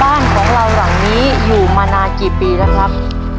บ้านของเราหลังนี้อยู่มานานกี่ปีแล้วครับ